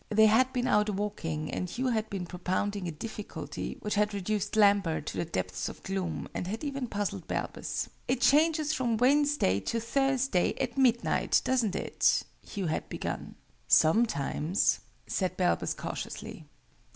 They had been out walking, and Hugh had been propounding a difficulty which had reduced Lambert to the depths of gloom, and had even puzzled Balbus. "It changes from Wednesday to Thursday at midnight, doesn't it?" Hugh had begun. "Sometimes," said Balbus, cautiously.